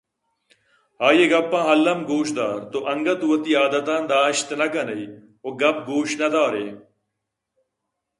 آئی ءِ گپاں الّم گوش دار تو انگتءَوتی عادتاں داشت نہ کنئے ءُگپ گوش نہ دارئے